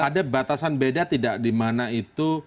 ada batasan beda tidak di mana itu